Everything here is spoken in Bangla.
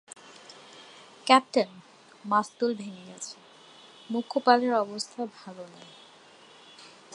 ক্যাপ্টেন, মাস্তুল ভেঙে গেছে, মূখ্য পালের অবস্থা ভালো নেই।